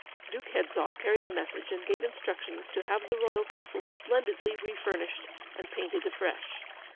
Duke Hedzoff carried the message, and gave instructions to have the Royal Castle splendidly refurnished and painted afresh.